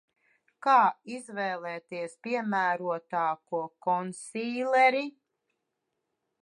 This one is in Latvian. Kā izvēlēties piemērotāko konsīleri?